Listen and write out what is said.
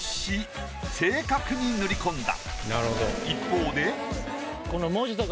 一方で。